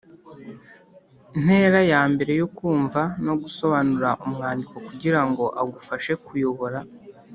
ntera ya mbere yo kumva no gusobanura umwandiko kugira ngo agufashe kuyobora